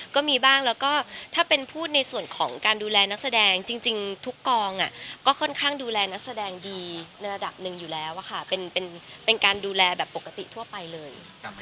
ก็มีบ้างแล้วก็ถ้าเป็นพูดในส่วนของการดูแลนักแสดงจริงทุกกองก็ค่อนข้างดูแลนักแสดงดีในระดับหนึ่งอยู่แล้วค่ะเป็นการดูแลแบบปกติทั่วไปเลย